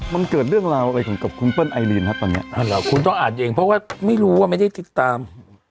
มันเกิดเรื่องราวอะไรถึงกับคุณเปิ้ลไอลีนครับตอนนี้คุณต้องอ่านเองเพราะว่าไม่รู้ว่าไม่ได้ติดตาม